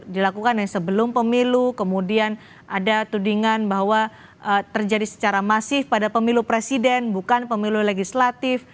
dilakukan yang sebelum pemilu kemudian ada tudingan bahwa terjadi secara masif pada pemilu presiden bukan pemilu legislatif